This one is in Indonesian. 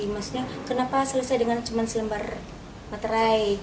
maksudnya kenapa selesai dengan cuma selembar materai